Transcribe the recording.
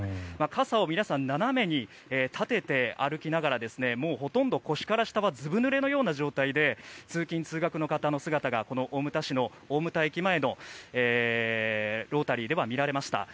傘を皆さん、斜めに立てて歩きながら、ほとんど腰から下はずぶぬれのような状態で通勤・通学の方の姿がこの大牟田市の大牟田駅前のロータリーでは見られました。